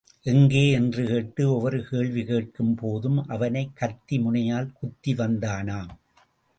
எங்கே?, என்று கேட்டு, ஒவ்வொரு கேள்வி கேட்கும் போதும் அவனைக் கத்தி முனையால் குத்தி வந்தானாம்.